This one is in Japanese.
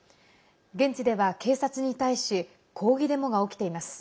現地では、警察に対し抗議デモが起きています。